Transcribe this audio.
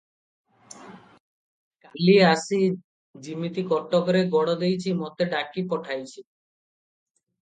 କାଲି ଆସି ଯିମିତି କଟକରେ ଗୋଡ଼ ଦେଇଛି, ମୋତେ ଡାକି ପଠାଇଛି ।